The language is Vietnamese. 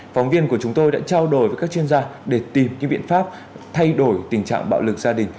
phóng viên của chúng tôi đã trao đổi với các chuyên gia để tìm cái biện pháp thay đổi tình trạng bạo lực gia đình